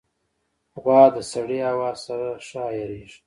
غوا د سړې هوا سره ښه عیارېږي.